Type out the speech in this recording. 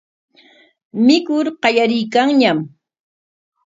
Mikur qallariykanñam.